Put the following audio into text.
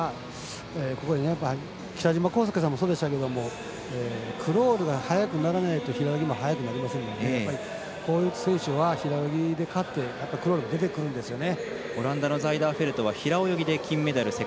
北島康介さんもそうでしたけどクロールが速くならないと平泳ぎも速くなりませんのでこういった選手は平泳ぎで勝ってクロールで出てくるんですよね。